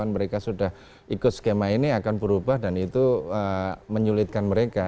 mereka sudah ikut skema ini akan berubah dan itu menyulitkan mereka